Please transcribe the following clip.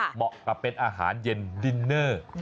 เหมาะกับเป็นอาหารเย็นดินเนอร์